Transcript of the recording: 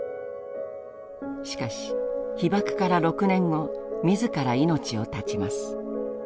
しかし被爆から６年後自ら命を絶ちます。